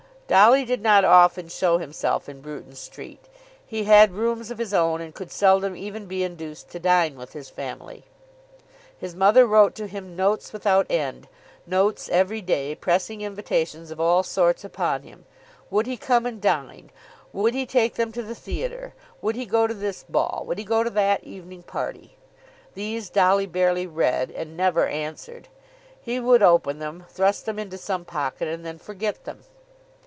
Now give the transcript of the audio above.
Dolly did not often show himself in Bruton Street. He had rooms of his own, and could seldom even be induced to dine with his family. His mother wrote to him notes without end, notes every day, pressing invitations of all sorts upon him; would he come and dine; would he take them to the theatre; would he go to this ball; would he go to that evening party? These Dolly barely read, and never answered. He would open them, thrust them into some pocket, and then forget them.